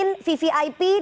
dalam perjalanan ke indonesia